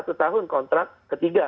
satu tahun kontrak ketiga